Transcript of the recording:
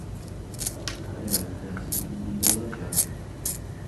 برا ئەو کراسانەمان بۆ وەرگێڕە